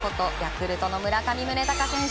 ことヤクルトの村上宗隆選手。